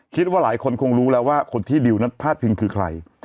คิดว่าหลายคนคงรู้แล้วว่าคนที่ดิวนั้นพลาดพิงคือใคร